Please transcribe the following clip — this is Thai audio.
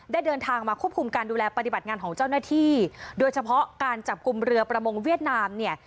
เดินทางมาควบคุมการดูแลปฏิบัติงานของเจ้าหน้าที่โดยเฉพาะการจับกลุ่มเรือประมงเวียดนามเนี่ย